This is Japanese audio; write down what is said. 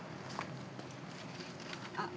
あっ！